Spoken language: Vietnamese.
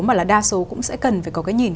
mà là đa số cũng sẽ cần phải có cái nhìn